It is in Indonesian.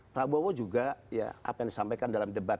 prabowo juga ya apa yang disampaikan dalam debat